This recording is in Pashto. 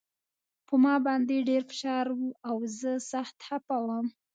په ما باندې ډېر فشار و او زه سخت خپه وم